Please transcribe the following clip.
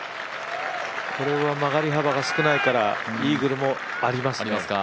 これは曲がり幅が少ないからイーグルもありますね。